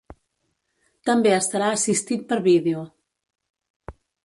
També estarà assistit per vídeo.